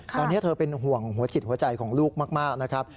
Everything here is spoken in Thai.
ตอนนี้เธอเป็นห่วงหัวจิตหัวใจของลูกมากนะครับ